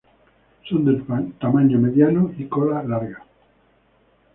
Son de tamaño mediano y cola larga.